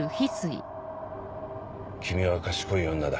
君は賢い女だ。